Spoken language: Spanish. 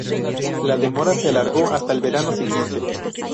La demora se alargó hasta el verano siguiente.